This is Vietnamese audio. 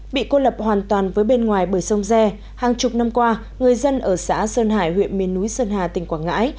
bị cô lập hoàn toàn với bên ngoài bờ sông re hàng chục năm qua người dân ở xã sơn hải huyện miền núi sơn hà tỉnh quảng ngãi